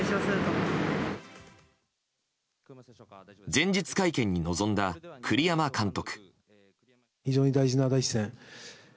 前日会見に臨んだ栗山監督。